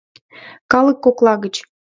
Калык кокла гыч.